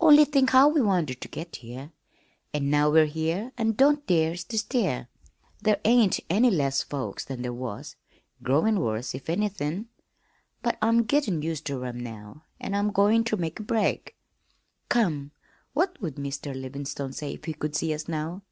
Only think how we wanted ter git here an' now we're here an' don't dare ter stir. There ain't any less folks than there was growin' worse, if anythin' but I'm gittin' used ter 'em now, an' I'm goin' ter make a break. Come, what would Mr. Livin'stone say if he could see us now?